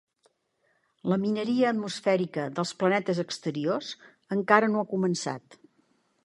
La mineria atmosfèrica dels planetes exteriors encara no ha començat.